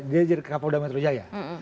dia jadi kapal damai terujaya